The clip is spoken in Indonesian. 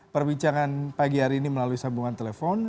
perbincangan pagi hari ini melalui sambungan telepon